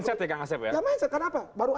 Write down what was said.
jadi ini mindset ya kang asep ya